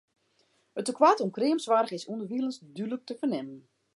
It tekoart oan kreamsoarch is ûnderwilens dúdlik te fernimmen.